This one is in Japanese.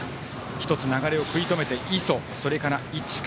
１つ流れを食い止めて磯、それから市川。